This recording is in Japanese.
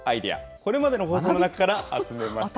これまでの放送の中から集めました。